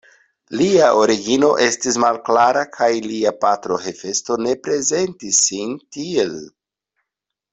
Lia origino estis malklara kaj lia patro Hefesto ne prezentis sin tiel.